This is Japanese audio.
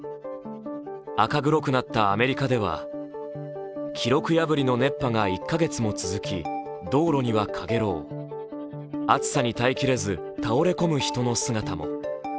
赤黒くなったアメリカでは記録破りの熱波が１カ月も続き道路にはかげろう、暑さに耐えきれず、倒れ込む人の姿も。